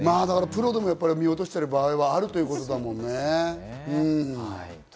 プロでも見落としている場合があるということだもんね。